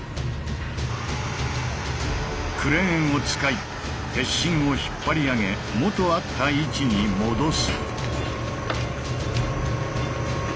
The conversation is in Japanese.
クレーンを使い鉄心を引っ張り上げ元あった位置に戻す。